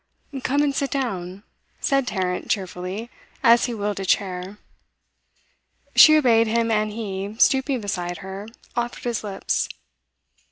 'Come and sit down,' said Tarrant cheerfully, as he wheeled a chair. She obeyed him, and he, stooping beside her, offered his lips.